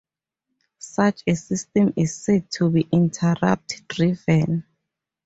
Such a system is said to be interrupt-driven.